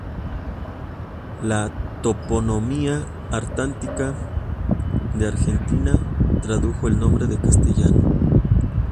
La toponimia antártica de Argentina tradujo el nombre al castellano.